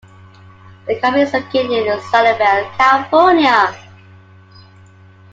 The company is located in Sunnyvale, California.